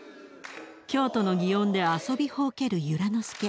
京都の園で遊びほうける由良之助。